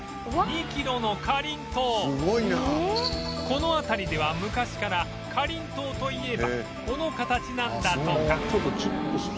この辺りでは昔からかりんとうといえばこの形なんだとか